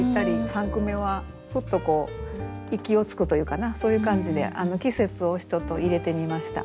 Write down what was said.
三句目はふっとこう息をつくというかなそういう感じで季節を入れてみました。